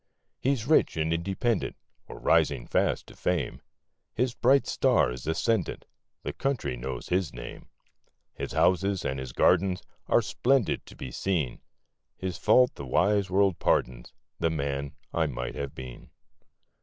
He's rich and independent, Or rising fast to fame; His bright star is ascendant, The country knows his name; His houses and his gardens Are splendid to be seen; His fault the wise world pardons The man I might have been.